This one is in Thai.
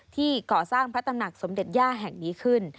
ก่อสร้างพระตำหนักสมเด็จย่าแห่งนี้ขึ้น